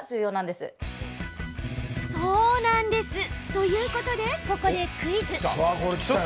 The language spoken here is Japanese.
そうなんです！ということで、ここでクイズ。